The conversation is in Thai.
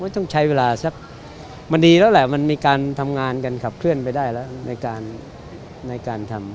ว่าต้องใช้เวลานะมันดีแล้วล่ะมันมีการทำงานกันขับเคลื่อนในการทำ